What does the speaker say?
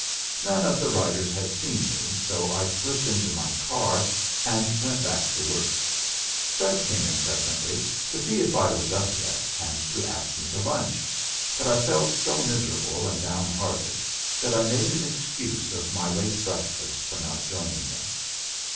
None of the riders had seen me, so I slipped into my car and went back to work. Fred came in presently to see if I was up yet, and to ask me to lunch, but I felt so miserable and down hearted that I made an excuse of my late breakfast for not joining them.